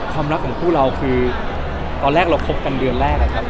คำลักของผู้เราจากตอนแรกเราครบกันเดือนแรก